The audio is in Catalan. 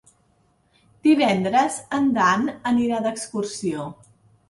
Divendres en Dan anirà d'excursió.